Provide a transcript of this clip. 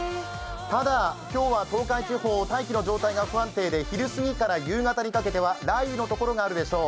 ただ、今日は東海地方大気の状態が不安定で昼過ぎから夕方にかけては雷雨のところがあるでしょう。